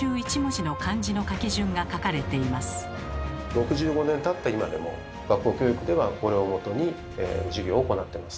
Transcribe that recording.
６５年たった今でも学校教育ではこれをもとに授業を行ってます。